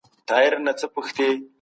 ناوړه دودونه بايد له منځه ولاړ سي.